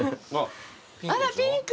あらピンク！